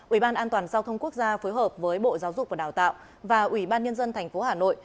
ủy ban an toàn giao thông quốc gia phối hợp với bộ giáo dục và đào tạo và ủy ban nhân dân tp hà nội